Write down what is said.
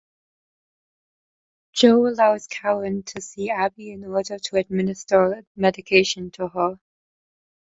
Joe allows Karen to see Abby in order to administer medication to her.